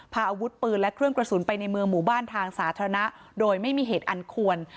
พาอาวุธปืนและเครื่องกระสุนไปในเมืองหมู่บ้านทางสาธารณะโดยไม่มีเหตุอันควร